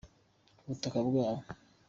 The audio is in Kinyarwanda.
ku butaka bwabo.